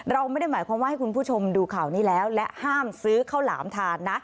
เราไม่ได้หมายความว่าให้คุณผู้ชมดูข่าวนี้แล้วและห้ามซื้อข้าวหลามทานนะ